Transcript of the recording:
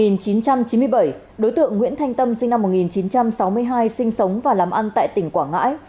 năm một nghìn chín trăm chín mươi bảy đối tượng nguyễn thanh tâm sinh năm một nghìn chín trăm sáu mươi hai sinh sống và làm ăn tại tỉnh quảng ngãi